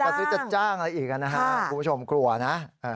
หรือยังอะไรหน้าคุณผู้ชมกลัวนะ